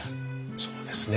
そうですね。